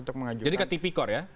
untuk mengajukan jadi ke tipikor ya